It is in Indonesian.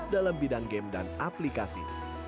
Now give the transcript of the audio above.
dua ribu dua puluh dalam bidang game dan aplikasi